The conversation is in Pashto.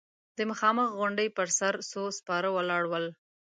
د مخامخ غونډۍ پر سر څو سپاره ولاړ ول.